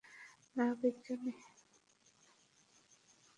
না, বিজ্ঞানী।